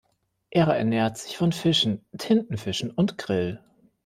Er ernährt sich von Fischen, Tintenfischen und Krill.